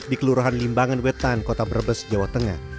di kelurahan limbangan wetan kota brebes jawa tengah